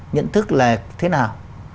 nhận thức là thế nào